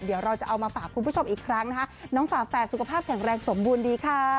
เดี๋ยวเราจะเอามาฝากคุณผู้ชมอีกครั้งนะคะน้องฝาแฝดสุขภาพแข็งแรงสมบูรณ์ดีค่ะ